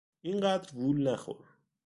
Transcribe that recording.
اینقدر وول نخور!